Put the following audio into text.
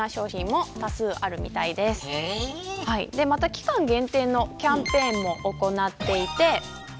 期間限定のキャンペーンも行っています。